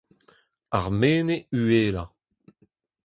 ar menez uhelañ.